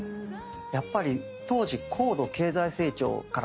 やっぱり当時高度経済成長からバブル。